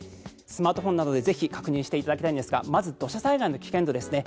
スマートフォンなどでぜひ確認していただきたいんですがまず、土砂災害の危険度ですね。